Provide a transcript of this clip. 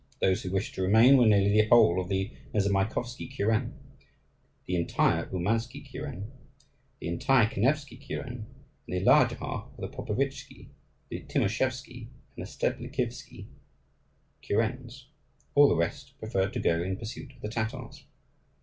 Those who wished to remain were nearly the whole of the Nezamaikovsky kuren, the entire Oumansky kuren, the entire Kanevsky kuren, and the larger half of the Popovitchsky, the Timoschevsky and the Steblikivsky kurens. All the rest preferred to go in pursuit of the Tatars.